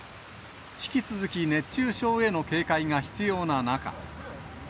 引き続き熱中症への警戒が必要な中。